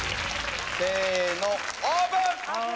せのオープン！